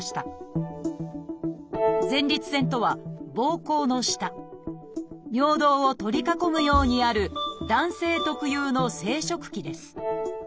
「前立腺」とはぼうこうの下尿道を取り囲むようにある男性特有の生殖器です